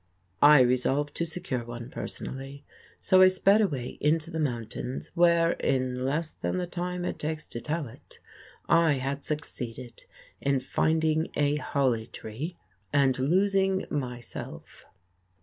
I resolved to secure one personally, so I sped away into the mountains where, in less than the time it takes to tell it, I had succeeded in finding a holly tree and losing myself.